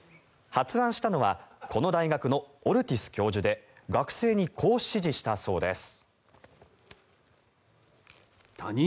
発案したのはこの大学のオルティス教授で学生にこう指示したそうです。